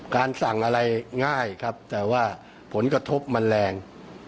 การสั่งอะไรง่ายครับแต่ว่าผลกระทบมันแรง